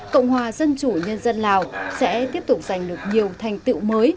cộng hòa dân chủ nhân dân lào sẽ tiếp tục giành được nhiều thành tựu mới